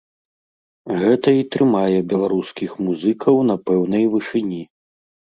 Гэта і трымае беларускіх музыкаў на пэўнай вышыні.